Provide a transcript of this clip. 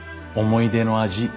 思い出の味